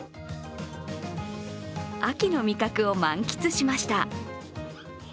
秋の味覚を満喫しました。